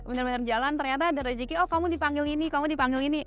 benar benar jalan ternyata ada rezeki oh kamu dipanggil ini kamu dipanggil ini